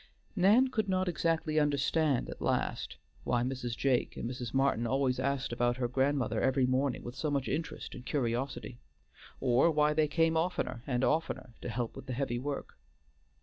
Nan could not exactly understand at last why Mrs. Jake and Mrs. Martin always asked about her grandmother every morning with so much interest and curiosity, or why they came oftener and oftener to help with the heavy work.